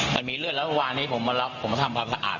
มันมีเลือดแล้วเมื่อวานนี้ผมมารับผมมาทำความสะอาด